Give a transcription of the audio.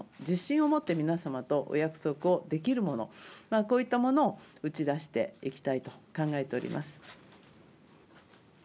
自信をもって皆さまとお約束をできるものこういったものを打ち出していきたいと考えております。